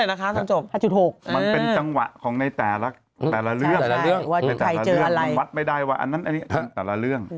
มันเป็นจังหวะของในแต่ละเรื่อง